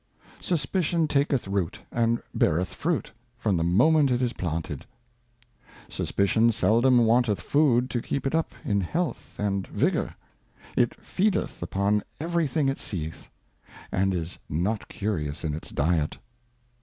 Suspicion taketh Root, and beareth Fruit, from the moment it is planted. Suspicion seldom wanteth Food to keep it up in Health and Vigour. It feedeth upon every thing it seeth, and is not curious in its Diet.